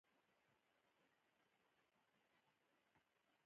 هغه د راک موسیقۍ سره اړیکې جوړې کړې.